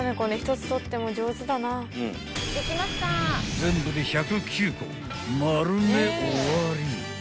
［全部で１０９個丸め終わり］